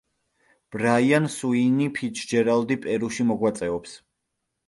ბრაიან სუინი ფიცჯერალდი პერუში მოღვაწეობს.